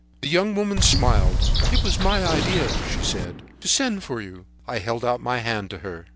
"The young woman smiled. "'It was my idea,' she said, 'to send for you.' "I held out my hand to her.